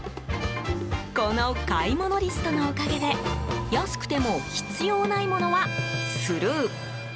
この買い物リストのおかげで安くても必要ないものはスルー。